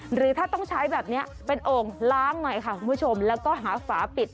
หรือถ้าต้องใช้แบบนี้เป็นโอ่งล้างหน่อยค่ะคุณผู้ชมแล้วก็หาฝาปิด